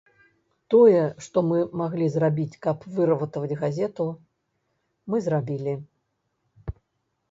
Тое, што мы маглі зрабіць, каб выратаваць газету, мы зрабілі.